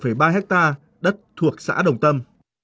trong đó có một ba hectare đất thuộc xã đồng tâm